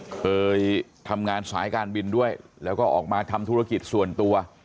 เคยทำงานสายการบินด้วยแล้วก็ออกมาทำธุรกิจส่วนตัว